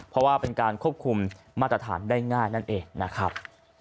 เพราะว่าเป็นการควบคุมมาตรฐานได้ง่ายนั่นเองนะครับ